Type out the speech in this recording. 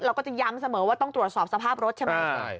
ก็จะย้ำเสมอว่าต้องตรวจสอบสภาพรถใช่ไหม